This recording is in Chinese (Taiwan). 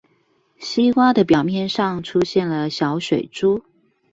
西瓜的表皮上出現了小水珠